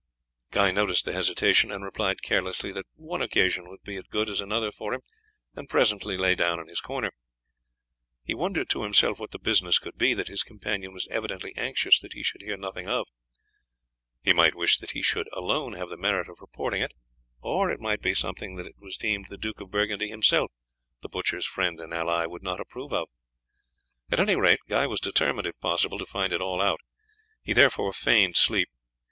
Guy noticed the hesitation, and replied carelessly that one occasion would be as good as another for him, and presently lay down in his corner. He wondered to himself what the business could be that his companion was evidently anxious that he should hear nothing of. He might wish that he should alone have the merit of reporting it, or it might be something that it was deemed the Duke of Burgundy himself, the butchers' friend and ally, would not approve of. At any rate he was determined, if possible, to find it all out; he therefore feigned sleep.